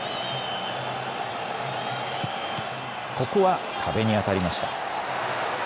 ここは壁に当たりました。